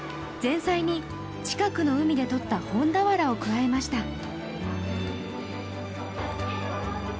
前菜に近くの海でとったホンダワラを加えました